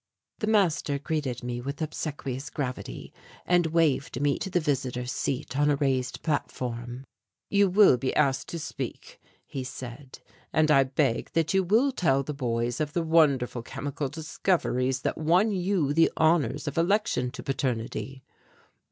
The master greeted me with obsequious gravity, and waved me to the visitor's seat on a raised platform. "You will be asked to speak," he said, "and I beg that you will tell the boys of the wonderful chemical discoveries that won you the honours of election to paternity."